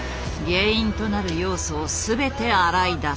原因となる要素を全て洗い出す。